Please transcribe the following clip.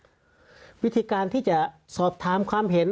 นั้นมากกว่าวิธีการที่จะสอบถามความเห็น